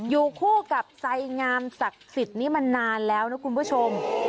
อยู่คู่กับไสงามศักดิ์สิทธิ์นี้มานานแล้วนะคุณผู้ชม